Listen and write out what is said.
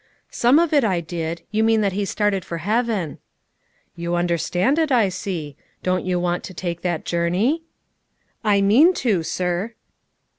"Some of it I did: you meant that he started for heaven." "You understand it, I see. Don't you want to take that journey?" "I mean to, sir."